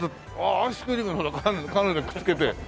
アイスクリームにカヌレくっつけて。